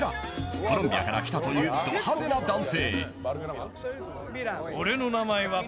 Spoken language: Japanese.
コロンビアから来たというど派手な男性。